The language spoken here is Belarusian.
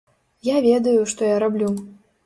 Я ведаю, што я раблю.